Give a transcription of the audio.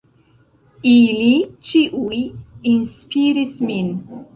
Ili ĉiuj inspiris min.